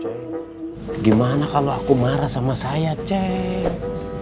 ceng gimana kalau aku marah sama saya ceng